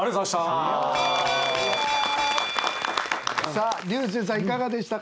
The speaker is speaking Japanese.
さあ竜星さんいかがでしたか？